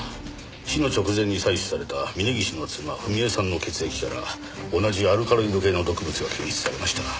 死の直前に採取された峰岸の妻文江さんの血液から同じアルカロイド系の毒物が検出されました。